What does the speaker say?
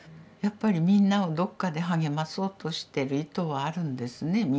やっぱりみんなをどっかで励まそうとしてる意図はあるんですね